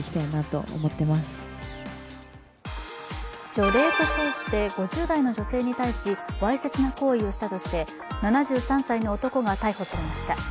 除霊と称して、５０代の女性に対しわいせつな行為をしたとして７３歳の男が逮捕されました。